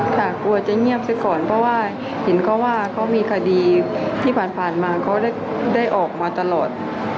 กลัวจะเงียบซะก่อนเพราะว่าเห็นเขาว่าเขามีคดีที่ผ่านมาเขาได้ออกมาตลอด